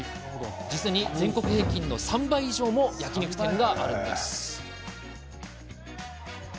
実に、全国平均の３倍以上も焼肉店があるんです。